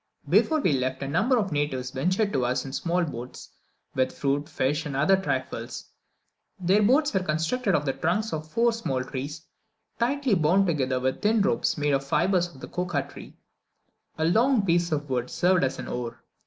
Before we left, a number of natives ventured to us in small boats with fruit, fish, and other trifles. Their boats were constructed of the trunks of four small trees, tightly bound together with thin ropes made of the fibres of the cocoa tree; a long piece of wood served as an oar.